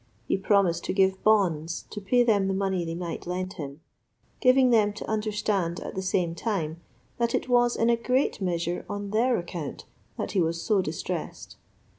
He promised to give bonds to pay them the money they might lend him; giving them to understand at the same time, that it was, in a great measure, on their account that he was so distressed.